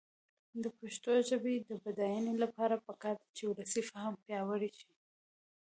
د پښتو ژبې د بډاینې لپاره پکار ده چې ولسي فهم پیاوړی شي.